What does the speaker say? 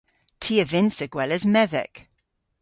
Ty a vynnsa gweles medhek.